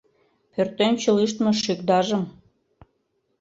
Пӧртӧнчыл ӱштмӧ шӱкдажым